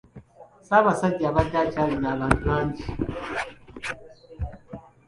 Ssaabasajja abadde akyalira bantu bangi.